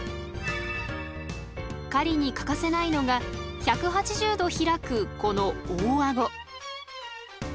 狩りに欠かせないのが１８０度開くこの大アゴ。